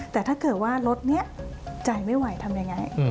แต่ถ้าเกิดว่ารถนี้จ่ายไม่ไหวทำยังไง